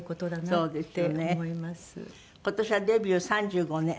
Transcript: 今年はデビュー３５年。